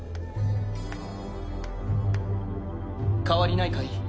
変わりないかい？